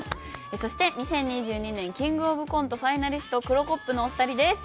そして２０２２年キングオブコントファイナリストクロコップのお二人です。